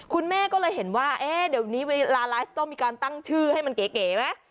คุณแม่ก็เลยเห็นว่าเอ๊ะเดี๋ยวนี้เวลาไลฟ์ต้องมีการตั้งชื่อให้มันเก๋ไหม